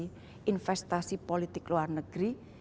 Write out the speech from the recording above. kita ambil dari negara negara